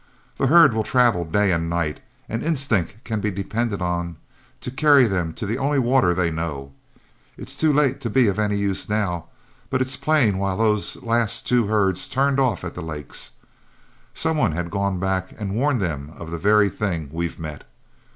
The herd will travel day and night, and instinct can be depended on to carry them to the only water they know. It's too late to be of any use now, but it's plain why those last two herds turned off at the lakes; some one had gone back and warned them of the very thing we've met.